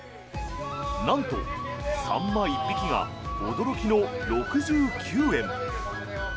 なんと、サンマ１匹が驚きの６９円。